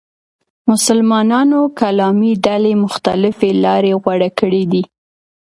مسلمانانو کلامي ډلې مختلفې لارې غوره کړې دي.